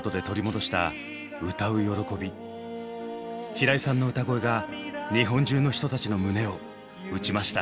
平井さんの歌声が日本中の人たちの胸を打ちました。